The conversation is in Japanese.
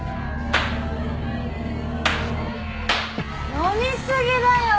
飲みすぎだよ！